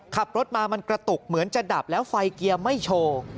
ขับรถมามันกระตุกเหมือนจะดับแล้วไฟเกียร์ไม่โชว์